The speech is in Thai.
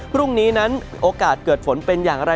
พรุ่งนี้นั้นโอกาสเกิดฝนเป็นอย่างไร